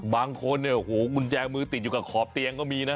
บางคนมุนแจมือติดอยู่กับขอบเตียงก็มีนะ